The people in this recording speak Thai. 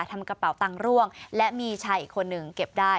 ทำกระเป๋าตังค์ร่วงและมีชายอีกคนหนึ่งเก็บได้